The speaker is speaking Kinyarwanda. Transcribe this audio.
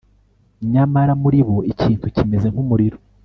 nyamara muri bo ikintu kimeze nkumuriro